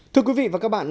thưa quý vị và các bạn